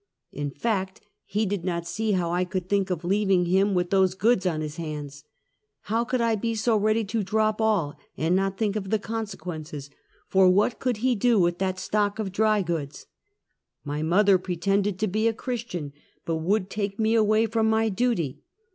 In fact, he did not see how I could think of leaving him with those goods on his hands. How could 1 be so ready to drop all and not think of the consequences, for what could he do with that stock of dry goods. My mother pretended to be a Christian, but would take me away from my duty.